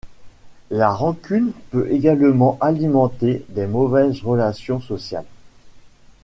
La rancune peut également alimenter des mauvaises relations sociales.